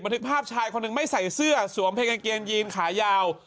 ทึกภาพชายคนหนึ่งไม่ใส่เสื้อสวมเพลงกางเกงยีนขายาว